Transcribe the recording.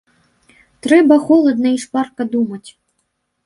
Трэба холадна і шпарка думаць.